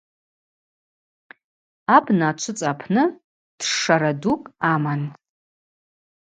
Абна ачвыцӏа апны тшшара дукӏ аман.